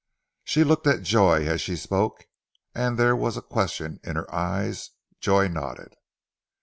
She looked at Joy, as she spoke, and there was a question in her eyes. Joy nodded.